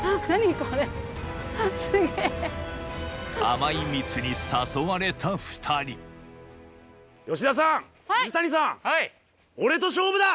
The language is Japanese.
甘い蜜に誘われた２人勝負だ！